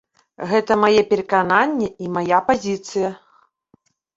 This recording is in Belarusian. Гэта мае перакананні і мая пазіцыя.